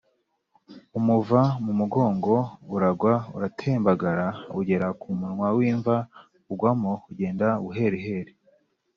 umuva mu mugongo, uragwa, uratembagara, ugera ku munwa w’imva, ugwamo, ugenda buheriheri